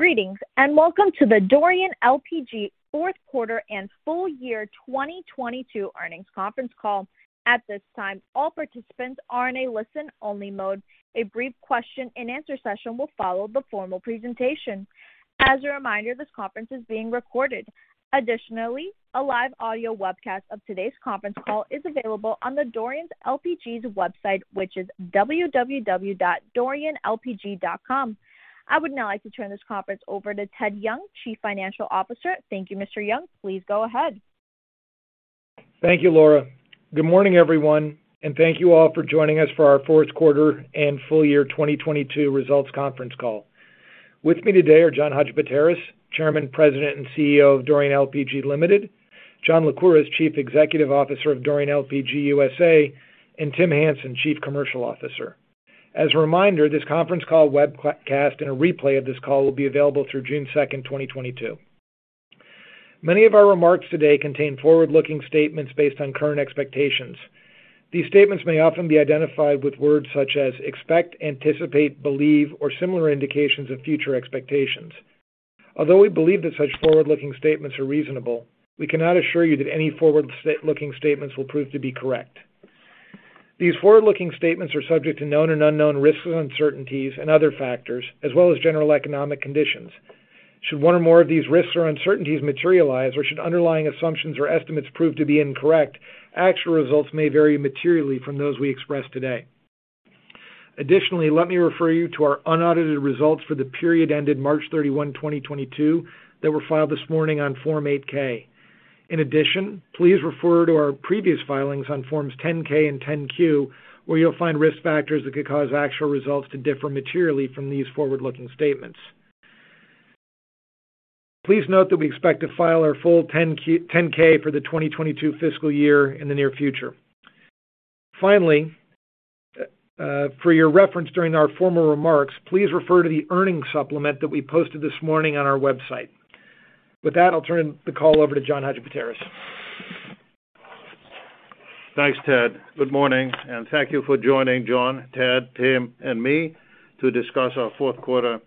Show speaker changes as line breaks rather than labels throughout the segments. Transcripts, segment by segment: Greetings, and welcome to the Dorian LPG fourth quarter and full year 2022 earnings conference call. At this time, all participants are in a listen-only mode. A brief question-and-answer session will follow the formal presentation. As a reminder, this conference is being recorded. Additionally, a live audio webcast of today's conference call is available on the Dorian LPG's website, which is www.dorianlpg.com. I would now like to turn this conference over to Ted Young, Chief Financial Officer. Thank you. Mr. Young, please go ahead.
Thank you, Laura. Good morning, everyone, and thank you all for joining us for our fourth quarter and full year 2022 results conference call. With me today are John Hadjipateras, Chairman, President, and CEO of Dorian LPG Ltd, John Lycouris, Chief Executive Officer of Dorian LPG (USA), and Tim Hansen, Chief Commercial Officer. As a reminder, this conference call webcast and a replay of this call will be available through June 2nd, 2022. Many of our remarks today contain forward-looking statements based on current expectations. These statements may often be identified with words such as expect, anticipate, believe, or similar indications of future expectations. Although we believe that such forward-looking statements are reasonable, we cannot assure you that any forward-looking statements will prove to be correct. These forward-looking statements are subject to known and unknown risks and uncertainties and other factors as well as general economic conditions. Should one or more of these risks or uncertainties materialize or should underlying assumptions or estimates prove to be incorrect, actual results may vary materially from those we express today. Additionally, let me refer you to our unaudited results for the period ended March 31, 2022 that were filed this morning on Form 8-K. In addition, please refer to our previous filings on Forms 10-K and 10-Q, where you'll find risk factors that could cause actual results to differ materially from these forward-looking statements. Please note that we expect to file our full 10-K for the 2022 fiscal year in the near future. Finally, for your reference during our formal remarks, please refer to the earnings supplement that we posted this morning on our website. With that, I'll turn the call over to John Hadjipateras.
Thanks, Ted. Good morning, and thank you for joining John, Ted, Tim, and me to discuss our fourth quarter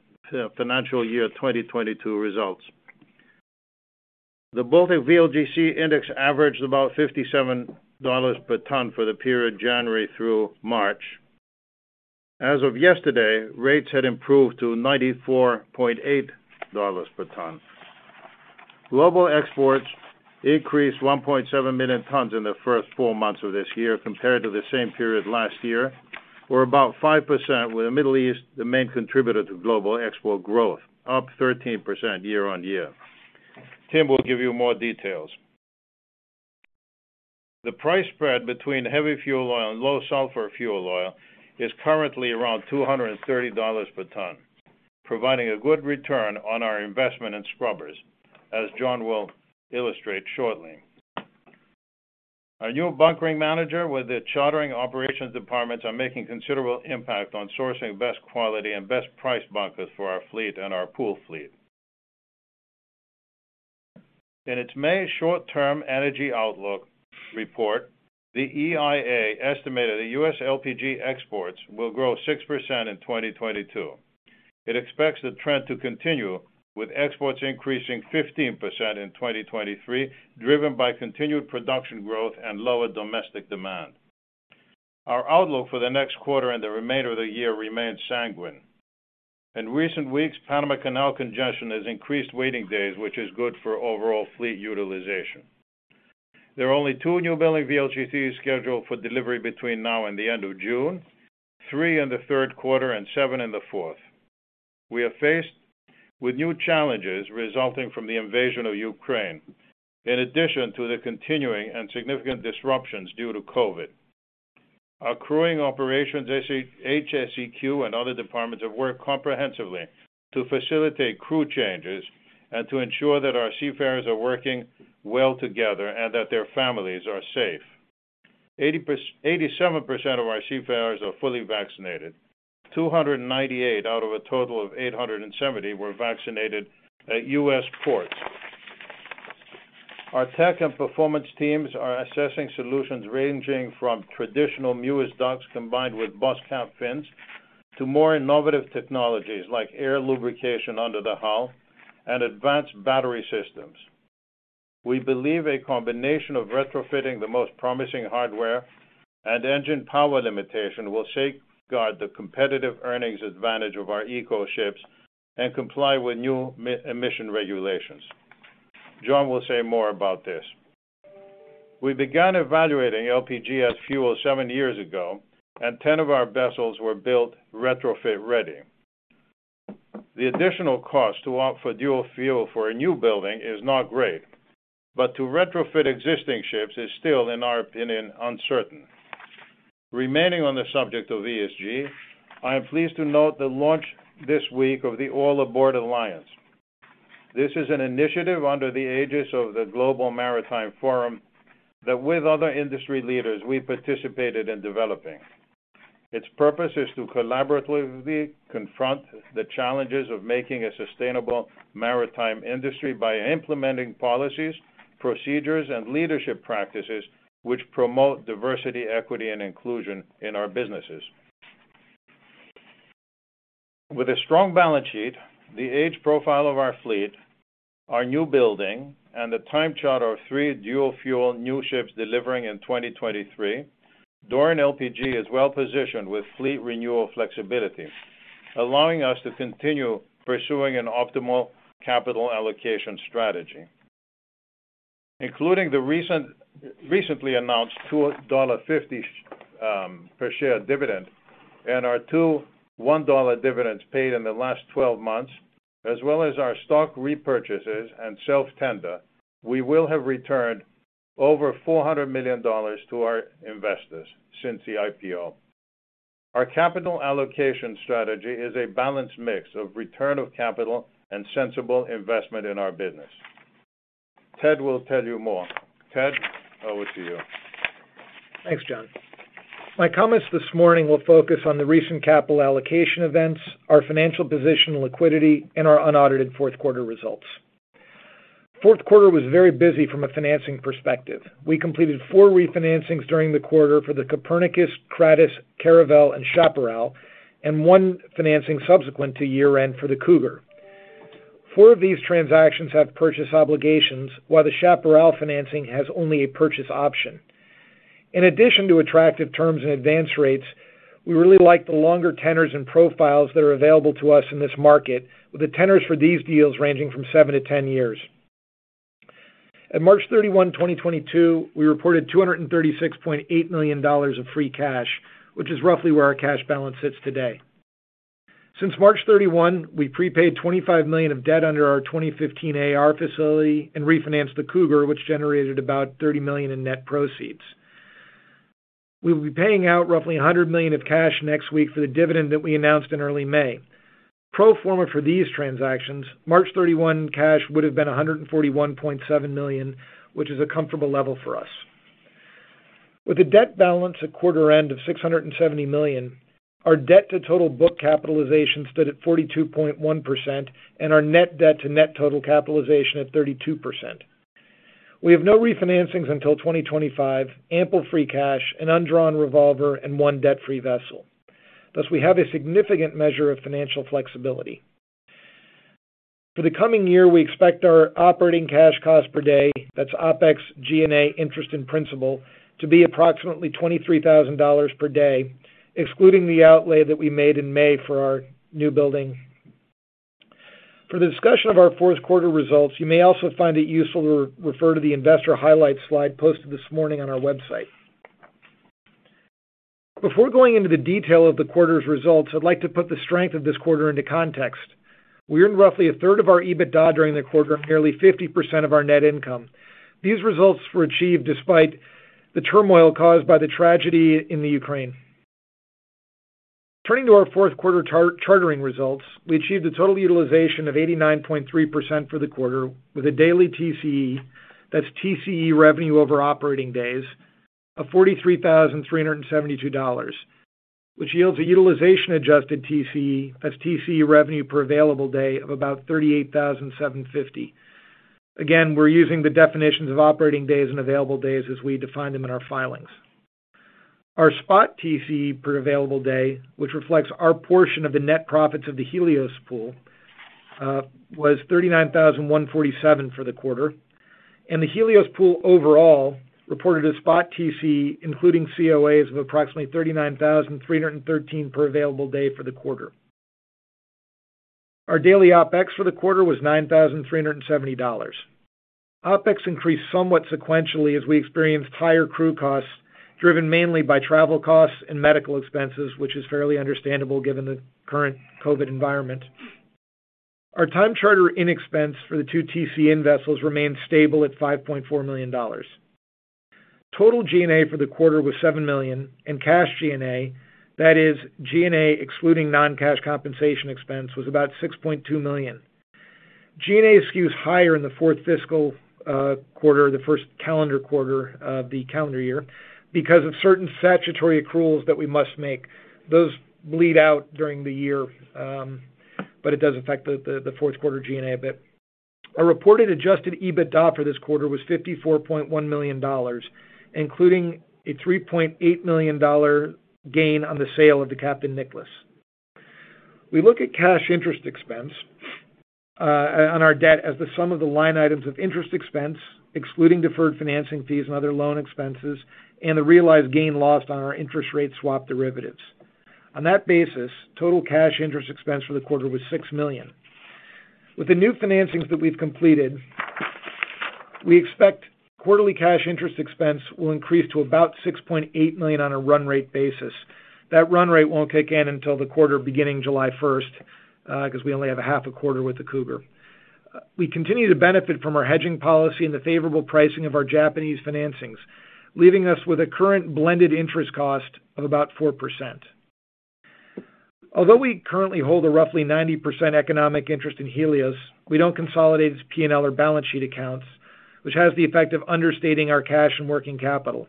financial year 2022 results. The Baltic VLGC Index averaged about $57 per ton for the period January through March. As of yesterday, rates had improved to $94.8 per ton. Global exports increased 1.7 million tons in the first four months of this year compared to the same period last year, or about 5%, with the Middle East the main contributor to global export growth, up 13% year-on-year. Tim will give you more details. The price spread between heavy fuel oil and low sulfur fuel oil is currently around $230 per ton, providing a good return on our investment in scrubbers, as John will illustrate shortly. Our new bunkering manager with the chartering operations departments are making considerable impact on sourcing best quality and best price bunkers for our fleet and our pool fleet. In its May short-term energy outlook report, the EIA estimated that U.S. LPG exports will grow 6% in 2022. It expects the trend to continue, with exports increasing 15% in 2023, driven by continued production growth and lower domestic demand. Our outlook for the next quarter and the remainder of the year remains sanguine. In recent weeks, Panama Canal congestion has increased waiting days, which is good for overall fleet utilization. There are only two newbuilding VLGCs scheduled for delivery between now and the end of June, three in the third quarter, and seven in the fourth. We are faced with new challenges resulting from the invasion of Ukraine. In addition to the continuing and significant disruptions due to COVID. Our crewing operations, HSEQ and other departments have worked comprehensively to facilitate crew changes and to ensure that our seafarers are working well together and that their families are safe. 87% of our seafarers are fully vaccinated. 298 out of a total of 870 were vaccinated at U.S. ports. Our tech and performance teams are assessing solutions ranging from traditional Mewis Ducts combined with boss cap fins to more innovative technologies like air lubrication under the hull and advanced battery systems. We believe a combination of retrofitting the most promising hardware and engine power limitation will safeguard the competitive earnings advantage of our ECO ships and comply with new emission regulations. John will say more about this. We began evaluating LPG as fuel seven years ago, and 10 of our vessels were built retrofit-ready. The additional cost to opt for dual-fuel for a newbuilding is not great, but to retrofit existing ships is still, in our opinion, uncertain. Remaining on the subject of ESG, I am pleased to note the launch this week of the All Aboard Alliance. This is an initiative under the auspices of the Global Maritime Forum that, with other industry leaders, we participated in developing. Its purpose is to collaboratively confront the challenges of making a sustainable maritime industry by implementing policies, procedures, and leadership practices which promote diversity, equity, and inclusion in our businesses. With a strong balance sheet, the age profile of our fleet, our newbuilding, and the time charter of three dual-fuel new ships delivering in 2023, Dorian LPG is well-positioned with fleet renewal flexibility, allowing us to continue pursuing an optimal capital allocation strategy. Including the recently announced $2.50 per share dividend and our two $1 dividends paid in the last 12 months, as well as our stock repurchases and self-tender, we will have returned over $400 million to our investors since the IPO. Our capital allocation strategy is a balanced mix of return of capital and sensible investment in our business. Ted will tell you more. Ted, over to you.
Thanks, John. My comments this morning will focus on the recent capital allocation events, our financial position liquidity, and our unaudited fourth quarter results. Fourth quarter was very busy from a financing perspective. We completed four refinancings during the quarter for the COPERNICUS, CRATIS, CARAVELLE, and CHAPARRAL, and one financing subsequent to year-end for the COUGAR. Four of these transactions have purchase obligations, while the CHAPARRAL financing has only a purchase option. In addition to attractive terms and advance rates, we really like the longer tenors and profiles that are available to us in this market, with the tenors for these deals ranging from seven to 10 years. At March 31, 2022, we reported $236.8 million of free cash, which is roughly where our cash balance sits today. Since March 31, we prepaid $25 million of debt under our 2015 AR Facility and refinanced the COUGAR, which generated about $30 million in net proceeds. We will be paying out roughly $100 million of cash next week for the dividend that we announced in early May. Pro forma for these transactions, March 31 cash would have been $141.7 million, which is a comfortable level for us. With a debt balance at quarter end of $670 million, our debt to total book capitalization stood at 42.1% and our net debt to net total capitalization at 32%. We have no refinancings until 2025, ample free cash, an undrawn revolver, and one debt-free vessel. Thus, we have a significant measure of financial flexibility. For the coming year, we expect our operating cash costs per day, that's OpEx, G&A, interest and principal, to be approximately $23,000 per day, excluding the outlay that we made in May for our newbuilding. For the discussion of our fourth quarter results, you may also find it useful to refer to the investor highlights slide posted this morning on our website. Before going into the detail of the quarter's results, I'd like to put the strength of this quarter into context. We earned roughly 1/3 of our EBITDA during the quarter, nearly 50% of our net income. These results were achieved despite the turmoil caused by the tragedy in Ukraine. Turning to our fourth quarter chartering results, we achieved a total utilization of 89.3% for the quarter with a daily TCE, that's TCE revenue over operating days, of $43,372, which yields a utilization-adjusted TCE, that's TCE revenue per available day, of about $38,750. Again, we're using the definitions of operating days and available days as we define them in our filings. Our spot TCE per available day, which reflects our portion of the net profits of the Helios Pool, was $39,147 for the quarter, and the Helios Pool overall reported a spot TCE, including COAs, of approximately $39,313 per available day for the quarter. Our daily OpEx for the quarter was $9,370. OpEx increased somewhat sequentially as we experienced higher crew costs driven mainly by travel costs and medical expenses, which is fairly understandable given the current COVID environment. Our time charter-in expense for the two TC-in vessels remained stable at $5.4 million. Total G&A for the quarter was $7 million, and cash G&A, that is G&A excluding non-cash compensation expense, was about $6.2 million. G&A skews higher in the fourth fiscal quarter, the first calendar quarter of the calendar year because of certain statutory accruals that we must make. Those bleed out during the year, but it does affect the fourth quarter G&A a bit. Our reported adjusted EBITDA for this quarter was $54.1 million, including a $3.8 million gain on the sale of the Captain Nicholas. We look at cash interest expense on our debt as the sum of the line items of interest expense, excluding deferred financing fees and other loan expenses, and the realized gain or loss on our interest rate swap derivatives. On that basis, total cash interest expense for the quarter was $6 million. With the new financings that we've completed, we expect quarterly cash interest expense will increase to about $6.8 million on a run rate basis. That run rate won't kick in until the quarter beginning July 1st, 'cause we only have a half a quarter with the COUGAR. We continue to benefit from our hedging policy and the favorable pricing of our Japanese financings, leaving us with a current blended interest cost of about 4%. Although we currently hold a roughly 90% economic interest in Helios, we don't consolidate its P&L or balance sheet accounts, which has the effect of understating our cash and working capital.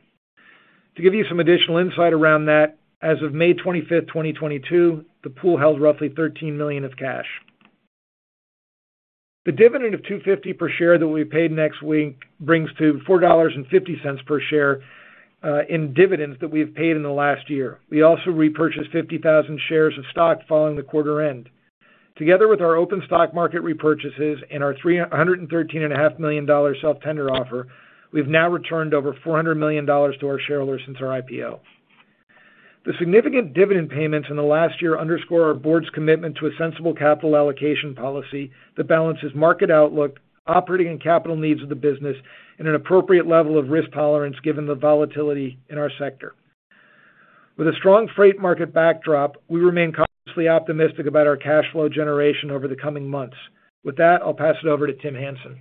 To give you some additional insight around that, as of May 25th, 2022, the pool held roughly $13 million of cash. The dividend of $2.50 per share that we paid next week brings to $4.50 per share in dividends that we have paid in the last year. We also repurchased 50,000 shares of stock following the quarter end. Together with our open stock market repurchases and our $313.5 million self tender offer, we've now returned over $400 million to our shareholders since our IPO. The significant dividend payments in the last year underscore our board's commitment to a sensible capital allocation policy that balances market outlook, operating and capital needs of the business in an appropriate level of risk tolerance given the volatility in our sector. With a strong freight market backdrop, we remain cautiously optimistic about our cash flow generation over the coming months. With that, I'll pass it over to Tim Hansen.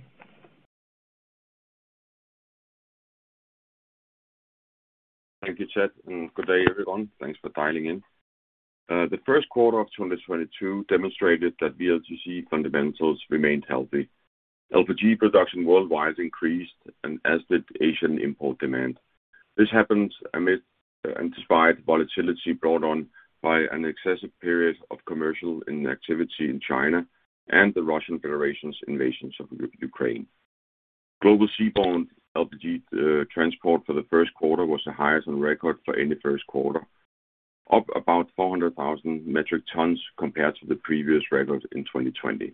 Thank you, Ted, and good day, everyone. Thanks for dialing in. The first quarter of 2022 demonstrated that VLGC fundamentals remained healthy. LPG production worldwide increased and as did Asian import demand. This happened amid and despite volatility brought on by an excessive period of commercial inactivity in China and the Russian Federation's invasions of Ukraine. Global seaborne LPG transport for the first quarter was the highest on record for any first quarter. Up about 400,000 metric tons compared to the previous record in 2020.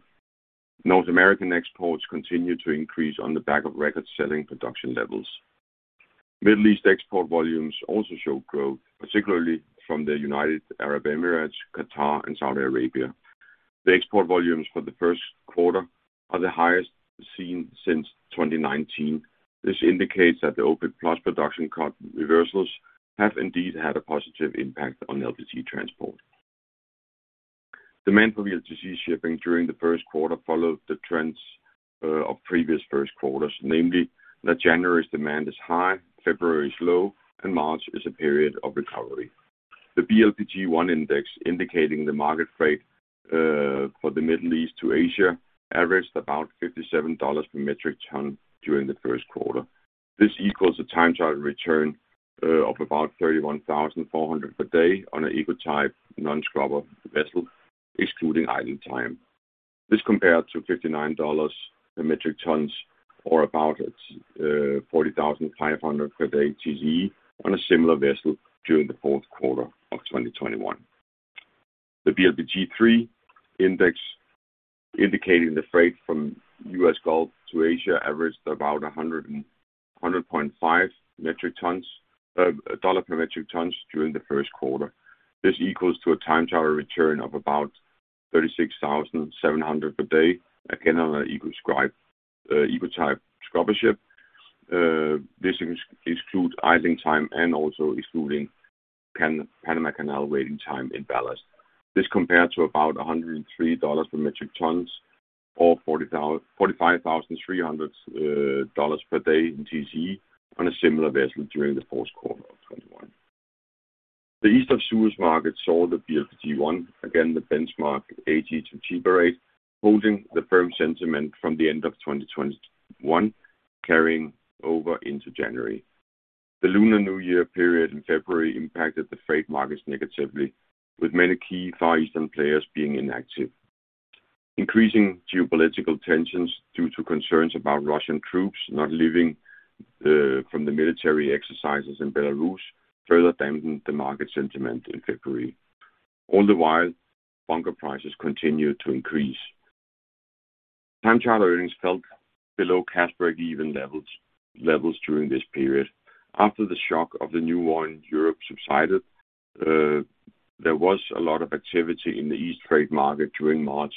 North American exports continue to increase on the back of record-setting production levels. Middle East export volumes also show growth, particularly from the United Arab Emirates, Qatar, and Saudi Arabia. The export volumes for the first quarter are the highest seen since 2019. This indicates that the OPEC+ production cut reversals have indeed had a positive impact on LPG transport. Demand for VLGC shipping during the first quarter followed the trends of previous first quarters, namely that January's demand is high, February is low, and March is a period of recovery. The BLPG1 Index indicating the market freight for the Middle East to Asia averaged about $57 per metric ton during the first quarter. This equals a time charter return of about $31,400 per day on an ECO type non-scrubber vessel, excluding idle time. This compared to $59 per metric ton or about $40,500 per day TCE on a similar vessel during the fourth quarter of 2021. The BLPG3 Index indicating the freight from U.S. Gulf to Asia averaged about $100.5 per metric ton during the first quarter. This equals to a time charter return of about $36,700 per day. Again, on an ECO type scrubber ship. This includes idle time and also excluding Panama Canal waiting time in ballast. This compared to about $103 per metric ton or $45,300 per day in TCE on a similar vessel during the fourth quarter of 2021. The East of Suez market saw the BLPG1, again, the benchmark AG-Chiba rate, holding the firm sentiment from the end of 2021 carrying over into January. The Lunar New Year period in February impacted the freight markets negatively, with many key far eastern players being inactive. Increasing geopolitical tensions due to concerns about Russian troops not leaving from the military exercises in Belarus further dampened the market sentiment in February. All the while, bunker prices continued to increase. Time charter earnings fell below cash break-even levels during this period. After the shock of the new war in Europe subsided, there was a lot of activity in the East trade market during March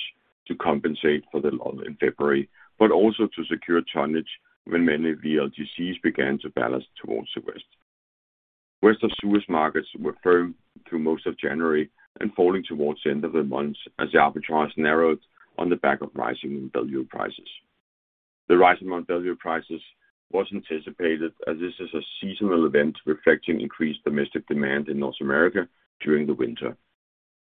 to compensate for the lull in February, but also to secure tonnage when many VLGCs began to ballast towards the west. West of Suez markets were firm through most of January and falling towards the end of the month as the arbitrage narrowed on the back of rising NWE prices. The rise in LPG prices was anticipated as this is a seasonal event reflecting increased domestic demand in North America during the winter.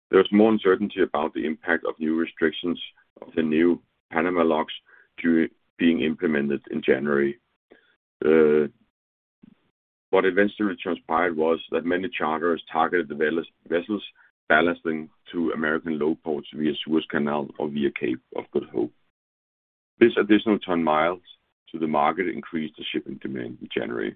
There was more uncertainty about the impact of new restrictions on the new Panama locks to be implemented in January. What eventually transpired was that many charters targeted vessels ballasting to American load ports via Suez Canal or via Cape of Good Hope. This additional ton miles to the market increased the shipping demand in January.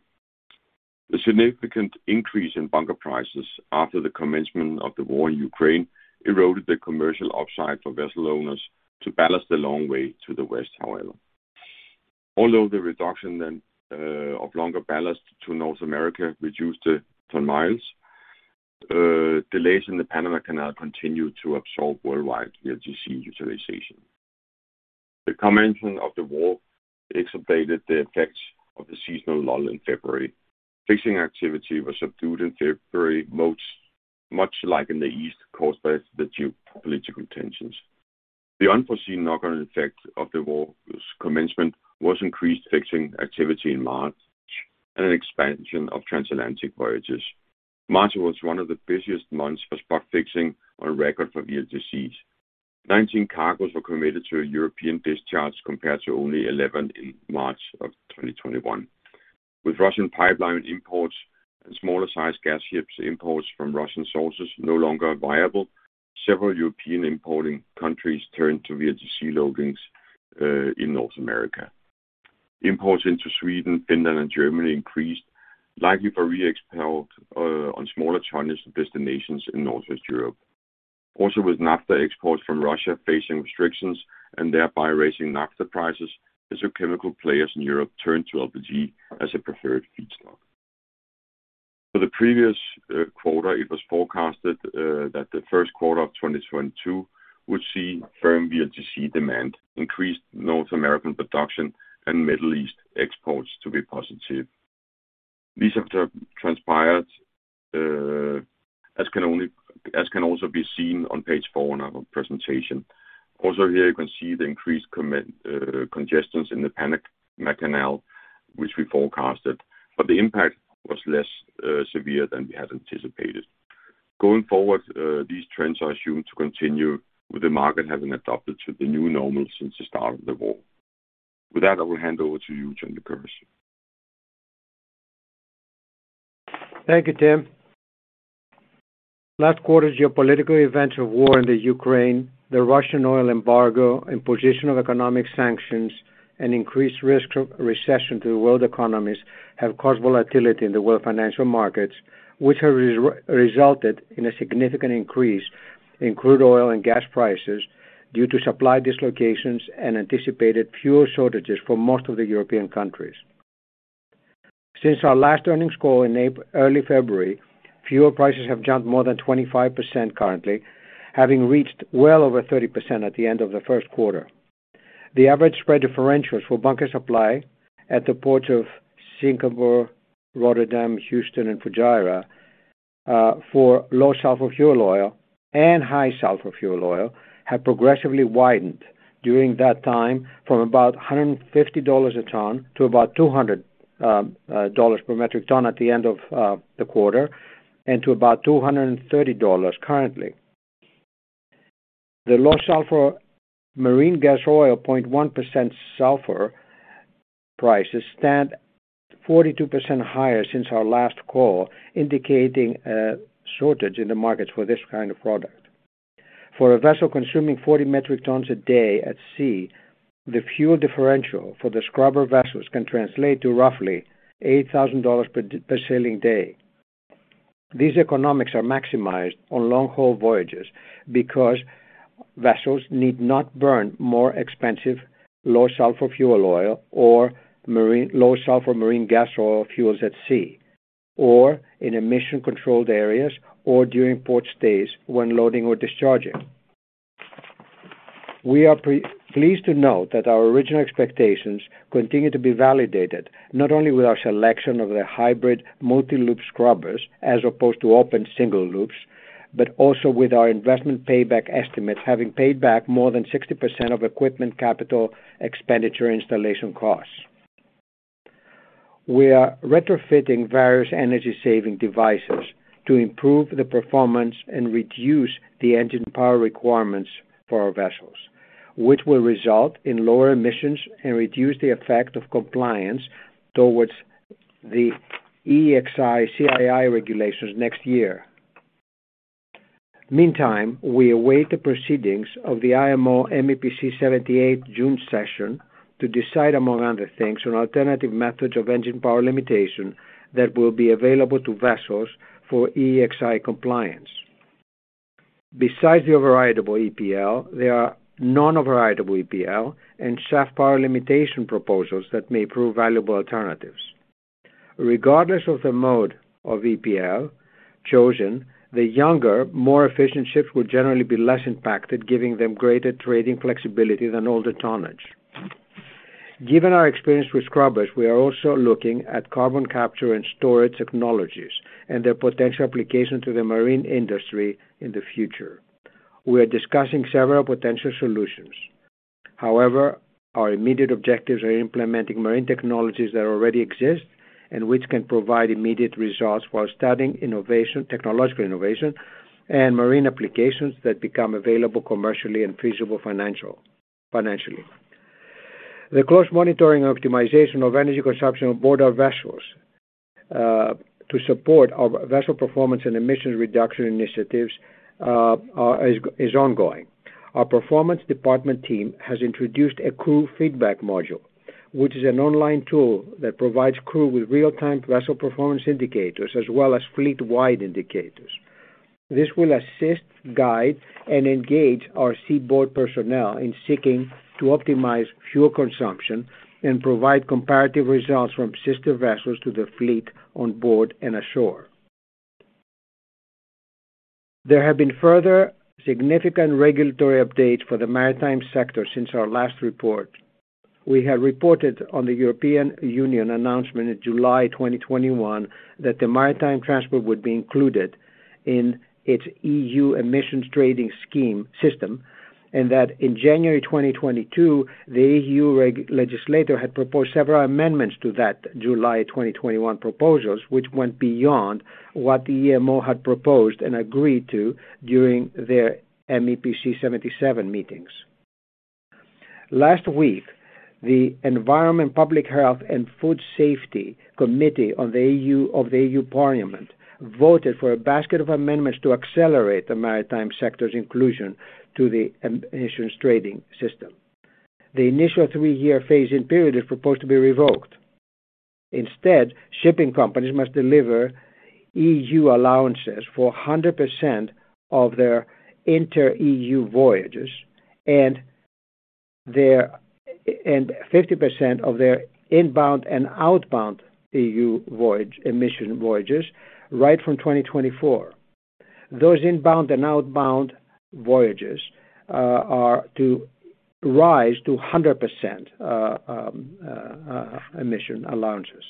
The significant increase in bunker prices after the commencement of the war in Ukraine eroded the commercial upside for vessel owners to ballast the long way to the west, however. Although the reduction then of longer ballast to North America reduced the ton miles, delays in the Panama Canal continued to absorb worldwide VLGC utilization. The commencement of the war exacerbated the effects of the seasonal lull in February. Fixing activity was subdued in February most, much like in the East, caused by the geopolitical tensions. The unforeseen knock-on effect of the war's commencement was increased fixing activity in March and an expansion of transatlantic voyages. March was one of the busiest months for spot fixing on record for VLGCs. 19 cargoes were committed to a European discharge compared to only 11 in March of 2021. With Russian pipeline imports and smaller sized gas ships imports from Russian sources no longer viable, several European importing countries turned to VLGC loadings in North America. Imports into Sweden, Finland, and Germany increased, likely for re-export to smaller coaster destinations in Northwest Europe. Also, with naphtha exports from Russia facing restrictions and thereby raising naphtha prices, petrochemical players in Europe turned to LPG as a preferred feedstock. For the previous quarter, it was forecasted that the first quarter of 2022 would see firm VLGC demand, increased North American production, and Middle East exports to be positive. These have transpired, as can also be seen on page four in our presentation. Also here you can see the increased congestions in the Panama Canal, which we forecasted, but the impact was less severe than we had anticipated. Going forward, these trends are assumed to continue with the market having adopted to the new normal since the start of the war. With that, I will hand over to you, John Lycouris.
Thank you, Tim. Last quarter's geopolitical events of war in the Ukraine, the Russian oil embargo, imposition of economic sanctions, and increased risk of recession to the world economies have caused volatility in the world financial markets, which have resulted in a significant increase in crude oil and gas prices due to supply dislocations and anticipated fuel shortages for most of the European countries. Since our last earnings call in early February, fuel prices have jumped more than 25% currently, having reached well over 30% at the end of the first quarter. The average spread differentials for bunker supply at the ports of Singapore, Rotterdam, Houston, and Fujairah for low sulfur fuel oil and high sulfur fuel oil have progressively widened during that time from about $150 a ton to about $200 per metric ton at the end of the quarter and to about $230 currently. The low sulfur marine gas oil 0.1% sulfur prices stand 42% higher since our last call, indicating a shortage in the markets for this kind of product. For a vessel consuming 40 metric tons a day at sea, the fuel differential for the scrubber vessels can translate to roughly $8,000 per sailing day. These economics are maximized on long-haul voyages because vessels need not burn more expensive low sulfur fuel oil or low sulfur marine gas oil fuels at sea or in emission controlled areas or during port stays when loading or discharging. We are pleased to note that our original expectations continue to be validated not only with our selection of the hybrid multi-loop scrubbers as opposed to open single loops, but also with our investment payback estimates having paid back more than 60% of equipment capital expenditure installation costs. We are retrofitting various energy saving devices to improve the performance and reduce the engine power requirements for our vessels, which will result in lower emissions and reduce the effect of compliance towards the EEXI, CII regulations next year. Meantime, we await the proceedings of the IMO MEPC 78 June session to decide, among other things, on alternative methods of engine power limitation that will be available to vessels for EEXI compliance. Besides the overrideable EPL, there are non-overrideable EPL and shaft power limitation proposals that may prove valuable alternatives. Regardless of the mode of EPL chosen, the younger, more efficient ships will generally be less impacted, giving them greater trading flexibility than older tonnage. Given our experience with scrubbers, we are also looking at Carbon Capture and Storage technologies and their potential application to the marine industry in the future. We are discussing several potential solutions. However, our immediate objectives are implementing marine technologies that already exist and which can provide immediate results while studying innovation, technological innovation and marine applications that become available commercially and feasible financially. The close monitoring optimization of energy consumption on board our vessels to support our vessel performance and emissions reduction initiatives is ongoing. Our performance department team has introduced a crew feedback module, which is an online tool that provides crew with real-time vessel performance indicators as well as fleet-wide indicators. This will assist, guide, and engage our seaboard personnel in seeking to optimize fuel consumption and provide comparative results from sister vessels to the fleet on board and ashore. There have been further significant regulatory updates for the maritime sector since our last report. We had reported on the European Union announcement in July 2021 that the maritime transport would be included in its EU Emissions Trading Scheme System, and that in January 2022, the EU legislator had proposed several amendments to that July 2021 proposal, which went beyond what the IMO had proposed and agreed to during their MEPC 77 meetings. Last week, the Environment, Public Health and Food Safety Committee of the European Parliament voted for a basket of amendments to accelerate the maritime sector's inclusion to the Emissions Trading System. The initial three-year phase-in period is proposed to be revoked. Instead, shipping companies must deliver EU allowances for 100% of their inter-EU voyages and 50% of their inbound and outbound EU emission voyages right from 2024. Those inbound and outbound voyages are to rise to 100% emission allowances.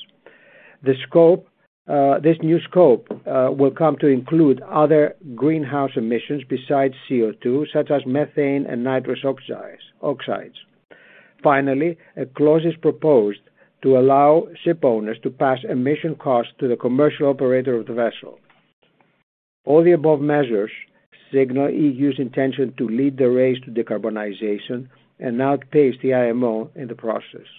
This new scope will come to include other greenhouse emissions besides CO2, such as methane and nitrous oxides. Finally, a clause is proposed to allow ship owners to pass emission costs to the commercial operator of the vessel. All the above measures signal EU's intention to lead the race to decarbonization and outpace the IMO in the process.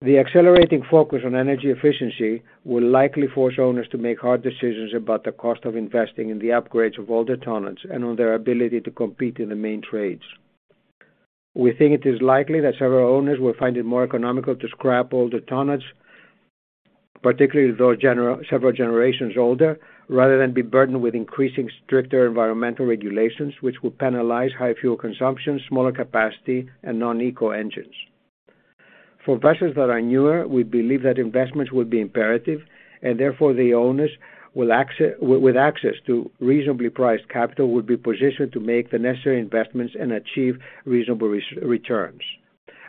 The accelerating focus on energy efficiency will likely force owners to make hard decisions about the cost of investing in the upgrades of older tonnages and on their ability to compete in the main trades. We think it is likely that several owners will find it more economical to scrap older tonnages, particularly those several generations older, rather than be burdened with increasing stricter environmental regulations, which will penalize high fuel consumption, smaller capacity, and non-eco engines. For vessels that are newer, we believe that investments will be imperative and therefore the owners with access to reasonably priced capital will be positioned to make the necessary investments and achieve reasonable returns.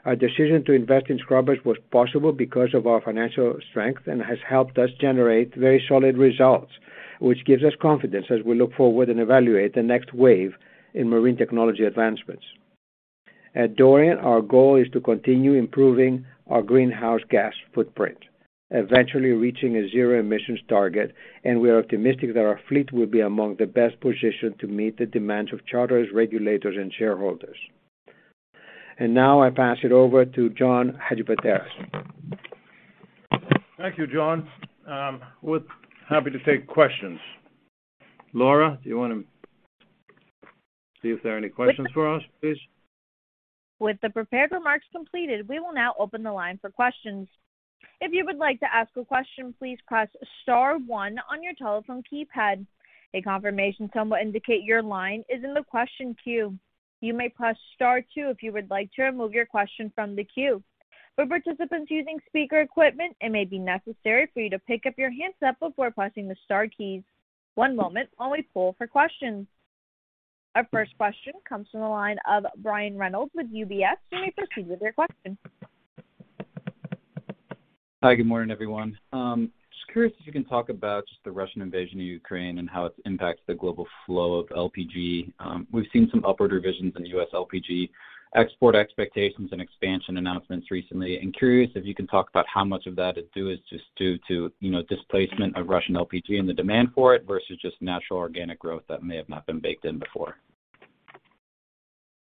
Our decision to invest in scrubbers was possible because of our financial strength and has helped us generate very solid results, which gives us confidence as we look forward and evaluate the next wave in marine technology advancements. At Dorian, our goal is to continue improving our greenhouse gas footprint, eventually reaching a zero emissions target, and we are optimistic that our fleet will be among the best positioned to meet the demands of charterers, regulators, and shareholders. Now I pass it over to John Hadjipateras.
Thank you, John. We're happy to take questions. Laura, do you want to see if there are any questions for us, please?
With the prepared remarks completed, we will now open the line for questions. If you would like to ask a question, please press star one on your telephone keypad. A confirmation tone will indicate your line is in the question queue. You may press star two if you would like to remove your question from the queue. For participants using speaker equipment, it may be necessary for you to pick up your handset before pressing the star keys. One moment while we poll for questions. Our first question comes from the line of Brian Reynolds with UBS. You may proceed with your question.
Hi, good morning, everyone. Just curious if you can talk about just the Russian invasion of Ukraine and how it's impacted the global flow of LPG. We've seen some upward revisions in U.S. LPG export expectations and expansion announcements recently. I'm curious if you can talk about how much of that is just due to, you know, displacement of Russian LPG and the demand for it versus just natural organic growth that may have not been baked in before.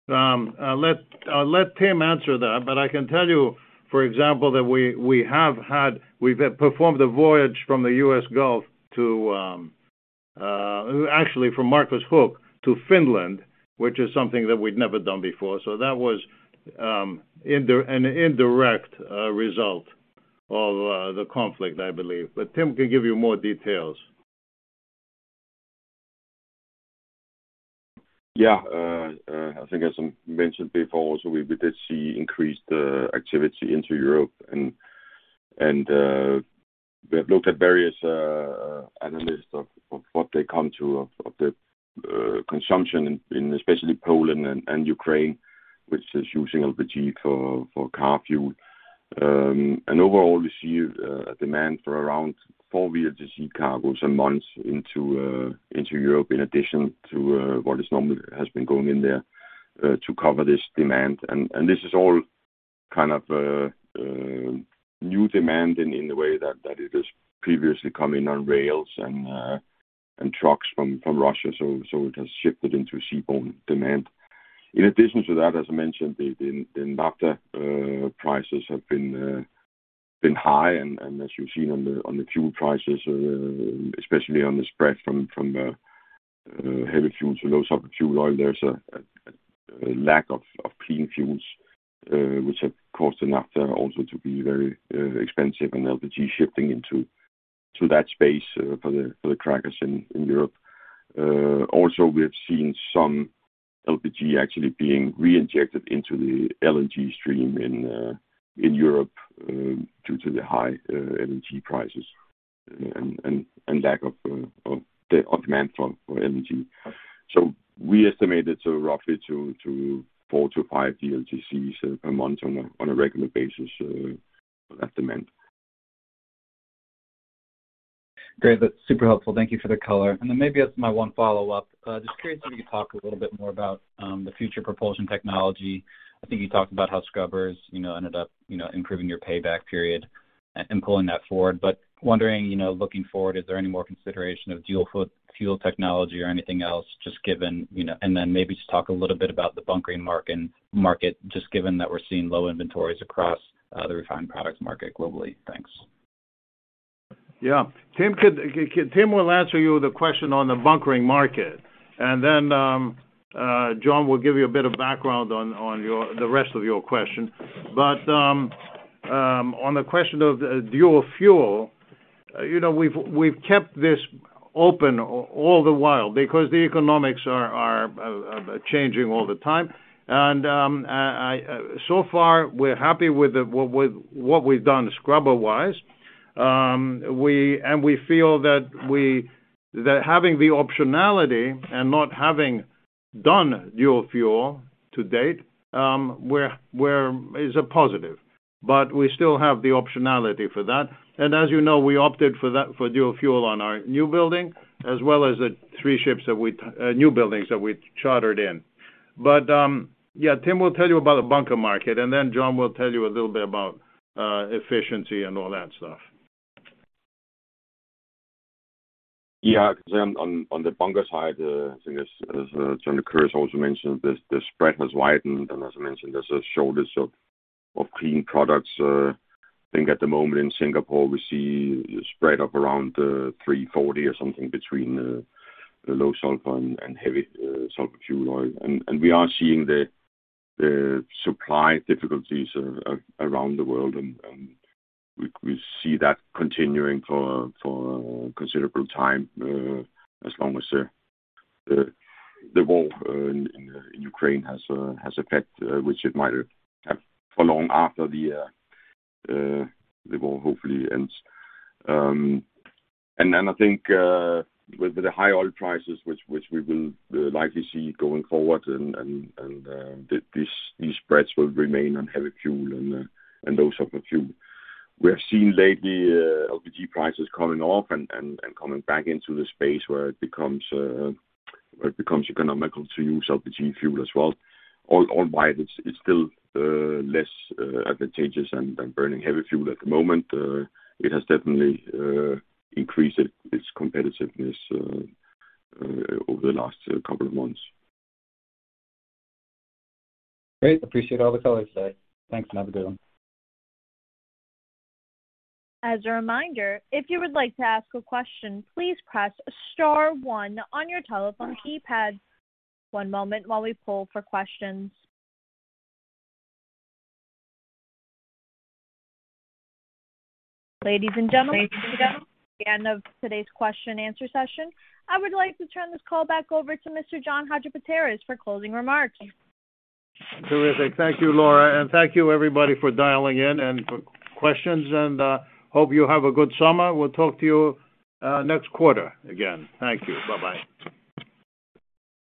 I'll let Tim answer that. I can tell you, for example, that we've performed a voyage from the U.S. Gulf to actually from Marcus Hook to Finland, which is something that we'd never done before. That was an indirect result of the conflict, I believe. Tim can give you more details.
Yeah. I think as I mentioned before also we did see increased activity into Europe and we have looked at various analysts of what they come to of the consumption in especially Poland and Ukraine, which is using LPG for car fuel. Overall received a demand for around four VLGC cargos a month into Europe in addition to what is normal has been going in there to cover this demand. This is all kind of new demand in the way that it is previously coming on rails and trucks from Russia. It has shifted into seaborne demand. In addition to that, as I mentioned, the naphtha prices have been high. As you've seen on the fuel prices, especially on the spread from heavy fuels to low sulfur fuel oil, there's a lack of clean fuels, which have caused naphtha also to be very expensive and LPG shifting into that space for the crackers in Europe. Also we have seen some LPG actually being reinjected into the LNG stream in Europe due to the high LNG prices and lack of demand for LNG. We estimate it to roughly four to five VLGCs a month on a regular basis of demand.
Great. That's super helpful. Thank you for the color. Maybe as my one follow-up, just curious if you could talk a little bit more about the future propulsion technology. I think you talked about how scrubbers, you know, ended up, you know, improving your payback period. Pulling that forward. Wondering, you know, looking forward, is there any more consideration of dual-fuel technology or anything else just given, you know? Maybe just talk a little bit about the bunkering market, just given that we're seeing low inventories across the refined products market globally. Thanks.
Yeah. Tim will answer your question on the bunkering market. John will give you a bit of background on the rest of your question. On the question of dual-fuel, you know, we've kept this open all the while because the economics are changing all the time. So far, we're happy with what we've done scrubber-wise. We feel that having the optionality and not having done dual-fuel to date is a positive, but we still have the optionality for that. As you know, we opted for that for dual-fuel on our newbuilding, as well as the three newbuildings that we chartered in. Yeah, Tim will tell you about the bunker market, and then John will tell you a little bit about efficiency and all that stuff.
Yeah. On the bunker side, I think as John Lycouris also mentioned, the spread has widened, and as I mentioned, there's a shortage of clean products. I think at the moment in Singapore, we see a spread of around 340 or something between the low sulfur fuel oil and heavy fuel oil. We are seeing the supply difficulties around the world, and we see that continuing for considerable time, as long as the war in Ukraine has effect, which it might have for long after the war hopefully ends. I think with the high oil prices which we will likely see going forward these spreads will remain on heavy fuel and those types of fuel. We have seen lately LPG prices coming off and coming back into the space where it becomes economical to use LPG fuel as well. All while it's still less advantageous than burning heavy fuel at the moment. It has definitely increased its competitiveness over the last couple of months.
Great. Appreciate all the color today. Thanks, and have a good one.
As a reminder, if you would like to ask a question, please press star one on your telephone keypad. One moment while we pull for questions. Ladies and gentlemen, this is the end of today's question-answer session. I would like to turn this call back over to Mr. John Hadjipateras for closing remarks.
Terrific. Thank you, Laura. Thank you everybody for dialing in and for questions, and hope you have a good summer. We'll talk to you next quarter again. Thank you. Bye-bye.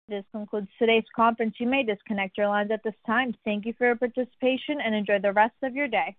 This concludes today's conference. You may disconnect your lines at this time. Thank you for your participation and enjoy the rest of your day.